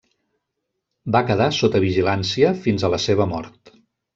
Va quedar sota vigilància fins a la seva mort.